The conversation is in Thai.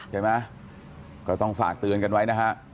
ใช่ไหมก็ต้องฝากเตือนกันไว้นะฮะ